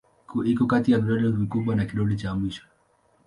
Iko kati ya kidole kikubwa na kidole cha mwisho.